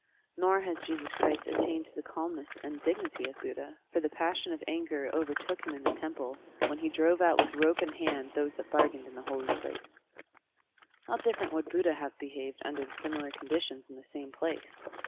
Nor has Jesus Christ attained to the calmness and dignity of Buddha, for the passion of anger Digitized by Google REPLY TO A CHRISTIAN CRITIC 12$ overtook him in the temple, when he drove out with rope in hand those that bargained in the holy place. How different would Buddha have behaved tinder similar conditions in the same place!